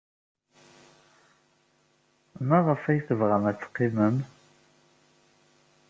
Maɣef ay tebɣam ad teqqimem?